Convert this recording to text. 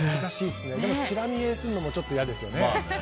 でも、ちら見えするのもちょっと嫌ですね。